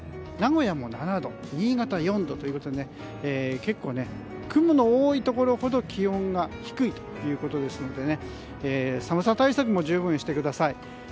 名古屋も７度新潟４度ということで結構雲が多いところほど気温が低いということですので寒さ対策も十分してください。